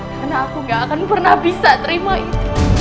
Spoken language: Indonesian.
karena aku gak akan pernah bisa terima itu